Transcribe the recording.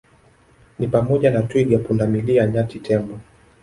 ni pamoja na twiga pundamilia nyati tembo